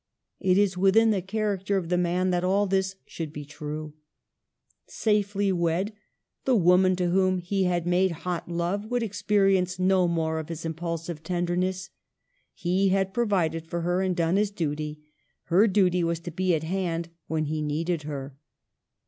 It is within the character of the man that all this should be true. Safely wed, the woman to whom he had made hot love would experience no more of his impulsive tenderness. He had provided for her and done his duty ; her duty was to be at hand when he needed her.